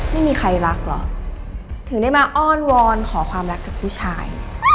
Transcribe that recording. ไม่มีใครรักเหรอถึงได้มาอ้อนวอนขอความรักจากผู้ชาย